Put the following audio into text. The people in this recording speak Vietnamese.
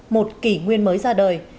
một kỷ nguyên mới ra đời